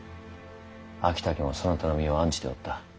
昭武もそなたの身を案じておった。